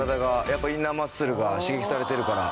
やっぱインナーマッスルが刺激されてるから。